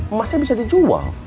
emasnya bisa dijual